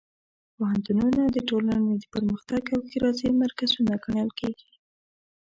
پوهنتونونه د ټولنې د پرمختګ او ښېرازۍ مرکزونه ګڼل کېږي.